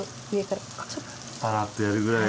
パラッとやるぐらいで。